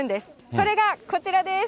それがこちらです。